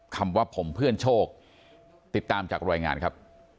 คำว่าผมเพื่อนโชคติดตามจากรายงานครับ